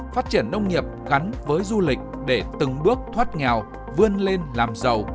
phát triển nông nghiệp gắn với du lịch để từng bước thoát nghèo vươn lên làm giàu